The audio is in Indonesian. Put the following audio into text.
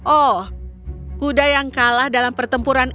oh kuda yang kalah dalam pertempuran